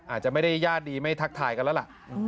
อาจจะไม่ได้ญาติดีไม่ทักทายกันแล้วล่ะ